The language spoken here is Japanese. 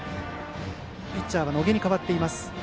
ピッチャーは野下に代わっています。